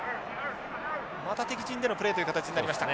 また敵陣でのプレーという形になりました。